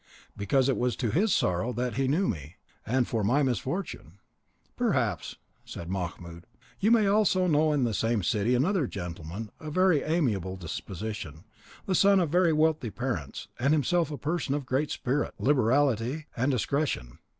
"Because it was to his sorrow that he knew me, and for my misfortune." "Perhaps," said Mahmoud, "you may also know in the same city another gentleman of very amiable disposition, the son of very wealthy parents, and himself a person of great spirit, liberality, and discretion.